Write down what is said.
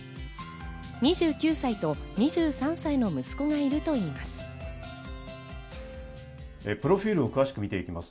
２９歳と２３歳の息子がいるといいます。